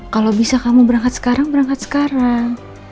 kalau bisa kamu berangkat sekarang berangkat sekarang